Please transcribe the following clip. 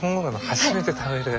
初めて食べる。